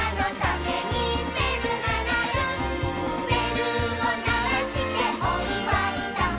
「べるをならしておいわいだ」